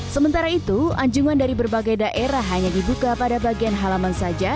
sementara itu anjungan dari berbagai daerah hanya dibuka pada bagian halaman saja